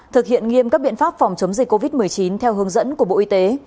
thực hiện nghiêm các biện pháp phòng chống dịch covid một mươi chín theo hướng dẫn của bộ y tế